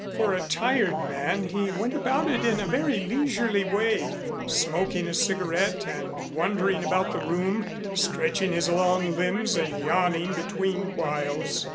For a tired man he went about it in a very leisurely way, smoking a cigarette, and wandering about the room stretching his long limbs and yawning between whiles.